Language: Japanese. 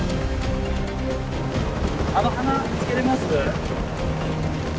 あの鼻つけれます？